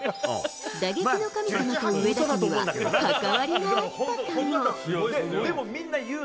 打撃の神様と上田家には関わりがあったかも。